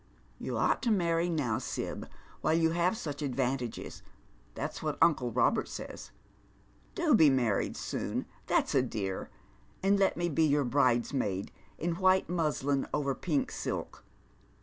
You ought to marry now. Sib, while you have such advantages ; that's what uncle Eobert says. Do be married soon, that's a dear, and let me be your bridesmaid — in wliite muslin over pink eilk.